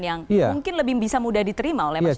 yang mungkin lebih bisa mudah diterima oleh masyarakat